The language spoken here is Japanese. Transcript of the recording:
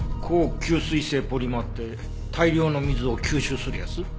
高吸水性ポリマーって大量の水を吸収するやつ？